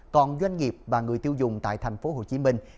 còn doanh nghiệp và người tiêu dùng tại thành phố hồ chí minh